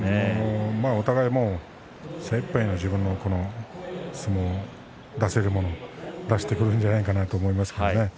お互いもう精いっぱいの自分の相撲出せるものを出してくるんじゃないかなと思いますけれどね。